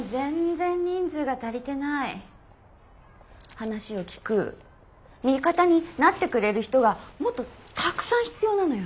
話を聞く味方になってくれる人がもっとたくさん必要なのよ。